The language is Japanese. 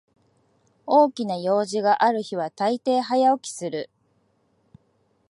大きな用事がある日はたいてい早起きする